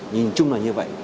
nhìn chung là như vậy